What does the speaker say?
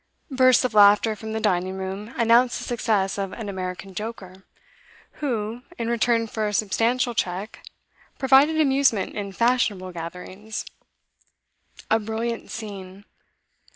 Bursts of laughter from the dining room announced the success of an American joker, who, in return for a substantial cheque, provided amusement in fashionable gatherings. A brilliant scene.